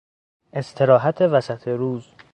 استراحت وسط روز